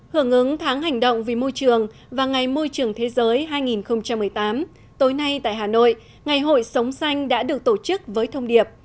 hưởng ứng tháng hành động vì môi trường và ngày môi trường thế giới hai nghìn một mươi tám tối nay tại hà nội ngày hội sống xanh đã được tổ chức với thông điệp